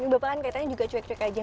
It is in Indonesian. bapak kan katanya juga cuek cuek aja